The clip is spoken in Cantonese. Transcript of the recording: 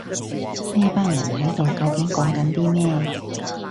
呢班人喺度究竟講緊啲咩